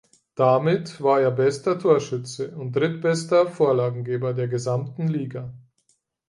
Damit war er bester Torschütze und drittbester Vorlagengeber der gesamten Liga.